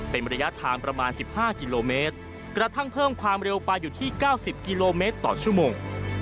เป็นระยะทางประมาณ๑๕กิโลเมตรกระทั่งเพิ่มความเร็วไปอยู่ที่๙๐กิโลเมตรต่อชั่วโมง